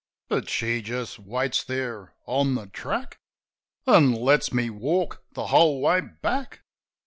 But she just waits there on the track. An' lets me walk the whole way back.